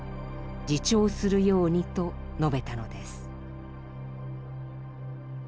自重するように」と述べたのです。